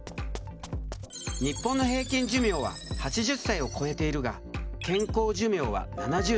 日本の平均寿命は８０歳を超えているが健康寿命は７０代。